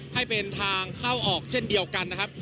ให้เป็นทางเข้าออกเช่นเดียวกันนะครับ